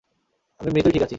আমি মৃতই ঠিক আছি।